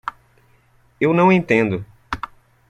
Eu não entendo.